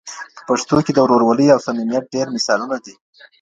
په پښتو کي د ورورولۍ او صمیمیت ډېر مثالونه دي